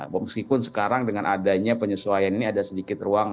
meskipun sekarang dengan adanya penyesuaian ini ada sedikit ruang